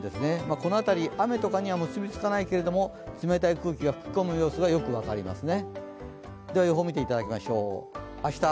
この辺り、雨とかには結びつかないけれども冷たい空気が吹き込む様子がよく分かりますね。